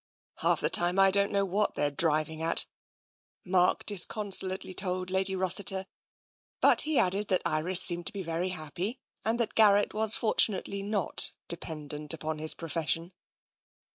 " Half the time I don't know what they're driving at," Mark disconsolately told Lady Rossiter, but he added that Iris seemed to be very happy and that Gar rett was fortunately not dependent upon his profession.